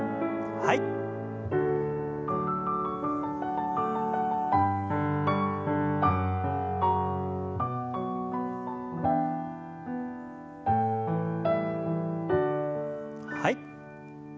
はい。